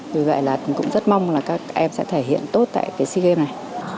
vì vậy là cũng rất mong là các em sẽ thể hiện tốt tại cái sea games này